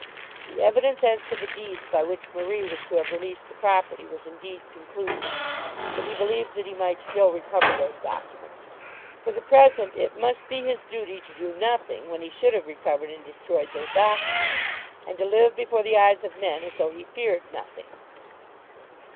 The evidence as to the deeds by which Marie was to have released the property was indeed conclusive; but he believed that he might still recover those documents. For the present it must be his duty to do nothing, when he should have recovered and destroyed those documents, and to live before the eyes of men as though he feared nothing.